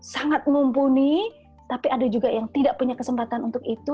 sangat mumpuni tapi ada juga yang tidak punya kesempatan untuk itu